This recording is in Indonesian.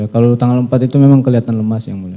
kalau tanggal empat itu memang kelihatan lemas